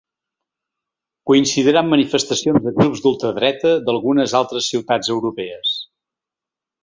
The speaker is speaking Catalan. Coincidirà amb manifestacions de grups d’ultradreta d’algunes altres ciutats europees.